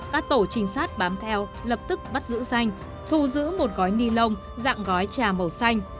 bác tổ trinh sát bám theo lập tức bắt giữ danh thù giữ một gói nilon dạng gói trà màu xanh